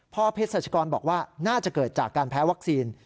เพศรัชกรบอกว่าน่าจะเกิดจากการแพ้วัคซีน